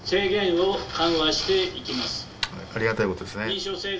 ありがたいことですね。